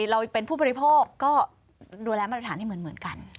เราเป็นผู้บริโภคก็ดูแลมาตรฐานให้เหมือนกัน